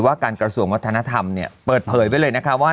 ว่าการกระทรวงวัฒนธรรมเนี่ยเปิดเผยไว้เลยนะคะว่า